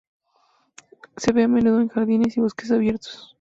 Se ve a menudo en jardines y bosques abiertos.